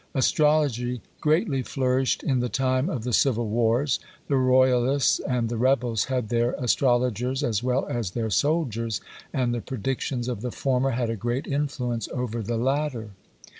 Astrology greatly flourished in the time of the civil wars. The royalists and the rebels had their astrologers, as well as their soldiers! and the predictions of the former had a great influence over the latter.